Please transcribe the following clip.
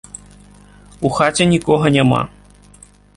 У хаце нікога няма.